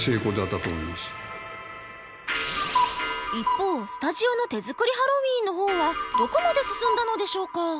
一方スタジオの手作りハロウィーンの方はどこまで進んだのでしょうか？